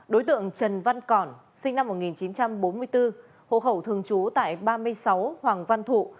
đối tượng trần văn còn sinh năm một nghìn chín trăm bốn mươi bốn hộ khẩu thường trú tại ba mươi sáu hoàng văn thụ